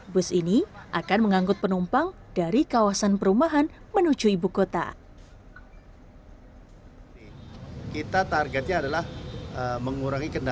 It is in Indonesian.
bus ini akan mengangkut penumpang dari kawasan perumahan menuju ibu kota